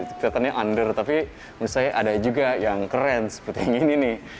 kelihatannya under tapi menurut saya ada juga yang keren seperti yang ini nih